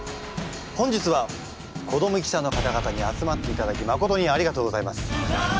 本日は子ども記者の方々に集まっていただきまことにありがとうございます。